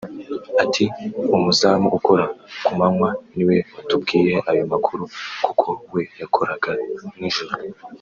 Ati “Umuzamu ukora ku manywa niwe watubwiye ayo makuru kuko we yakoraga nijoro